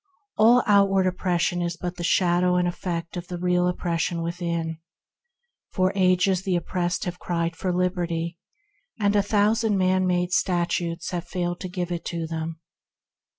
All outward oppression is only the shadow and effect of the real oppression within. For ages the oppressed have cried for liberty, and a thousand man made statutes have failed to give it to them.